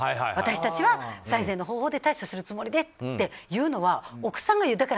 私たちは最善の方法で対処するつもりでって言うのは奥さんが言う。